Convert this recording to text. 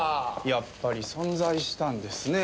やっぱり存在したんですね